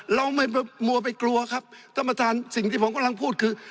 เราไม่มัวไปกลัวครับท่านประธานสิ่งที่ผมกำลังพูดคือ